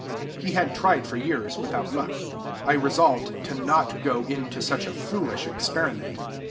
He had tried for years without luck. I resolved to not go into such a foolish experiment.